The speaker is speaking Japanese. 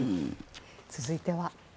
続いては。